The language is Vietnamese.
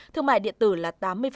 thương mại điện tử là tám mươi